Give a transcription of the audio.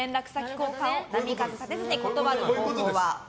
交換を波風立てずに断る方法は？